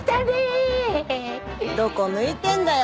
どこ向いてんだよ！